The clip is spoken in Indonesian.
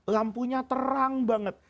lampunya terang banget